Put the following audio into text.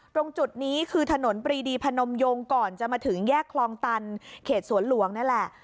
ตรงจุดนี้คือถนนปรีดีพนมยงก่อนจะมาถึงแยกคลองตันเขตสวนหลวงนั่นแหละ